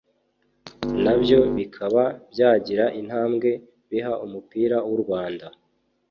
nabyo bikaba byagira intabwe biha umupira w’u Rwanda